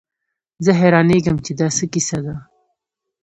زه حيرانېږم چې دا څه کيسه ده.